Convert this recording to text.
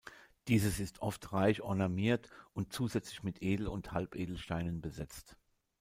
Dieses ist oft reich ornamentiert und zusätzlich mit Edel- und Halbedelsteinen besetzt.